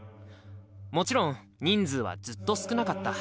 もちろん人数はずっと少なかった。